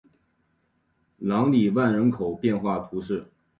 朗里万人口变化图示